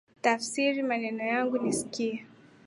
Tafsiri maneno yangu nisikie